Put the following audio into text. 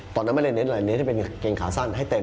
ตอนนั้นไม่ได้เน้นอะไรเน้นที่เป็นกางเกงขาสั้นให้เต็ม